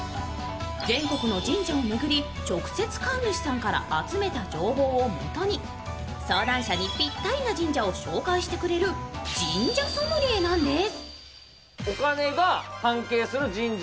全国の神社を巡り、直接神主さんから集めた情報をもとに相談者にぴったりな神社を紹介してくれる神社ソムリエなんです。